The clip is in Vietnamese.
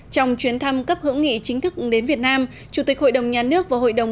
trong chuyến thăm cấp hữu nghị chính thức đến việt nam chủ tịch hội đồng nhà nước và hội đồng